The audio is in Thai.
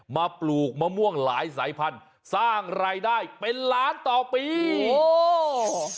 ปลูกมะม่วงหลายสายพันธุ์สร้างรายได้เป็นล้านต่อปีโอ้